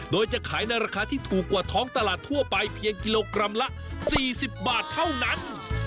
โดยจะขายในราคาที่ถูกกว่าท้องตลาดทั่วไปเพียงกิโลกรัมละ๔๐บาทเท่านั้น